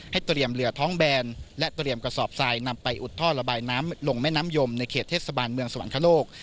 เตรียมเรือท้องแบนและเตรียมกระสอบทรายนำไปอุดท่อระบายน้ำลงแม่น้ำยมในเขตเทศบาลเมืองสวรรคโลก